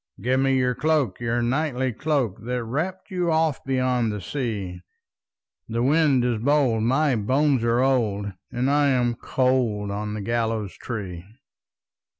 "Give me your cloak, your knightly cloak, That wrapped you oft beyond the sea; The wind is bold, my bones are old, And I am cold on the gallows tree."